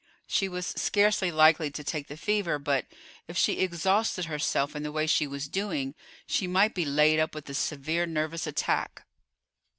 She was scarcely likely to take the fever; but, if she exhausted herself in the way she was doing, she might be laid up with a severe nervous attack.